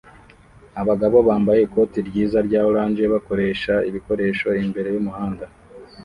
Abagabo bambaye ikoti ryiza rya orange bakoresha ibikoresho imbere yumuhanda